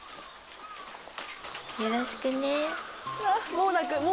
よろしくね。